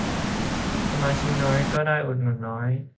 สมาชิกน้อย ก็ได้อุดหนุนน้อย